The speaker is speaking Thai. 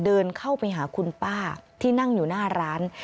เดินเข้าไปหาคุณป้าที่นั่งอยู่หน้าร้าน